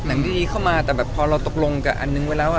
หนังที่นี้เข้ามาแต่แบบพอเราตกลงกับอันนึงไว้แล้วอะ